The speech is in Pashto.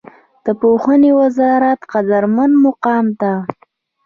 د پوهنې وزارت قدرمن مقام ته